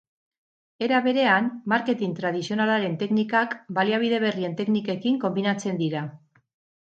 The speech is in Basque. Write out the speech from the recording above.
Era berean, marketin tradizionalaren teknikak baliabide berrien teknikekin konbinatzen dira.